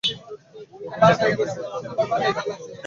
Provident fund থেকে লাখ তিনেক টাকা পাওয়ার কথা।